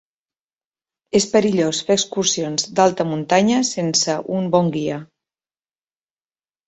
És perillós fer excursions d'alta muntanya sense un bon guia.